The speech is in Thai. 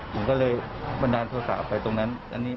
ผมก็เลยบันดาลโทษะไปตรงนั้น